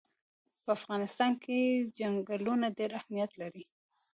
په افغانستان کې چنګلونه ډېر اهمیت لري.